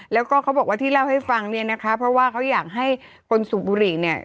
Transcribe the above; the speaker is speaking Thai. แล้วก็เขาบอกว่าที่เล่าให้ฟังเนี่ยนะคะเพราะว่าเขาอยากให้คนสูบบุหรี่เนี่ย